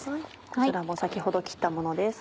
こちらも先ほど切ったものです。